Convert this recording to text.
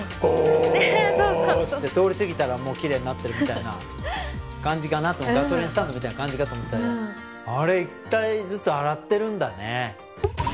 ゴーッ！って通り過ぎたらもうきれいになってるみたいな感じかなと思ったらガソリンスタンドみたいな感じかと思ったらあれ１体ずつ洗ってるんだね